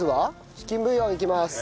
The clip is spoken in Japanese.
チキンブイヨンいきます。